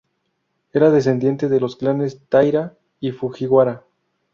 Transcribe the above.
Era descendiente de los clanes Taira y Fujiwara.